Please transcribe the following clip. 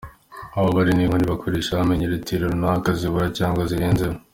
Haba hari n’inkoni bakoresha bamenya litilo runaka zibura cyangwa zirenzeho.